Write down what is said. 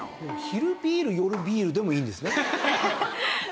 昼ビール夜ビールでもいいんですね。